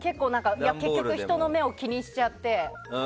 結局人の目を気にしちゃって。